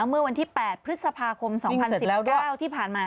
เมื่อวันที่๘พฤษภาคม๒๐๑๙ที่ผ่านมา